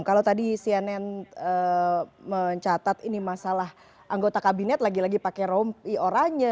kalau tadi cnn mencatat ini masalah anggota kabinet lagi lagi pakai rompi oranya